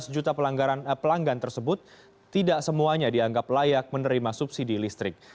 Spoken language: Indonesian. lima belas juta pelanggan tersebut tidak semuanya dianggap layak menerima subsidi listrik